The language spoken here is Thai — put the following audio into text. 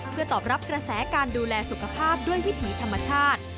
เพื่อตอบรับกระแสการดูแลสุขภาพด้วยวิถีธรรมชาติ